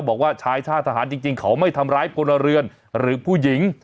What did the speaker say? บอกว่าชายชาติทหารจริงเขาไม่ทำร้ายพลเรือนหรือผู้หญิง